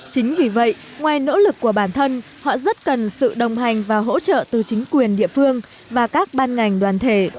chính vì vậy ngoài nỗ lực của bản thân họ rất cần sự đồng hành và hỗ trợ từ chính quyền địa phương và các ban ngành đoàn thể